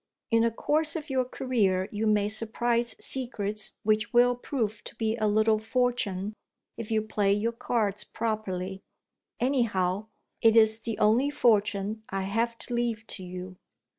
In the course of your career, you may surprise secrets which will prove to be a little fortune, if you play your cards properly. Anyhow, it is the only fortune I have to leave to you."